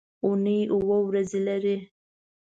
اونۍ اووه ورځې لري.